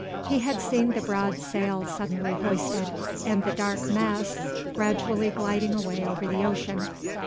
He had seen the broad sail suddenly hoisted, and the dark mass gradually gliding away over the ocean.